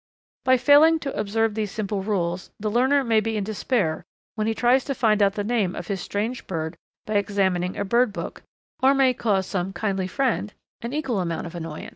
By failing to observe these simple rules the learner may be in despair when he tries to find out the name of his strange bird by examining a bird book, or may cause some kindly friend an equal amount of annoyance.